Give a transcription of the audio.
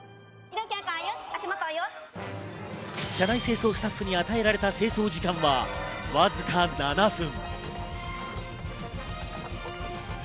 車内清掃スタッフに与えられた清掃時間はわずか７分。